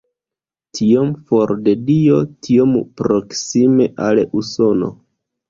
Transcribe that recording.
Tiom for de Dio, tiom proksime al Usono".